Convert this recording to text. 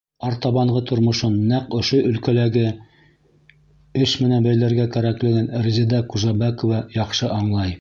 Артабанғы тормошон нәҡ ошо өлкәләге эш менән бәйләргә кәрәклеген Резеда Ҡужабәкова яҡшы аңлай.